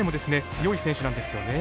強い選手なんですよね。